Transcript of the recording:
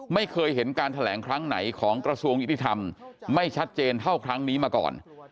ไม่เคยเห็นการแถลงครั้งไหนของกระทรวงยุติธรรมไม่ชัดเจนเท่าครั้งนี้มาก่อน